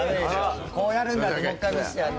こうやるんだって、もう１回見せてやれ。